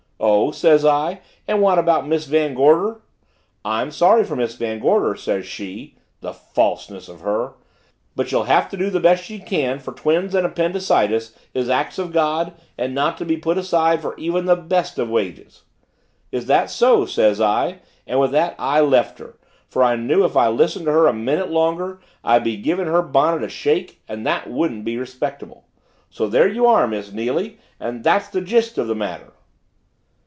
'Oh,' says I, 'and what about Miss Van Gorder?' 'I'm sorry for Miss Van Gorder,' says she the falseness of her! 'But she'll have to do the best she can for twins and appendycitis is acts of God and not to be put aside for even the best of wages.' 'Is that so?' says I and with that I left her, for I knew if I listened to her a minute longer I'd be giving her bonnet a shake and that wouldn't be respectable. So there you are, Miss Neily, and that's the gist of the matter."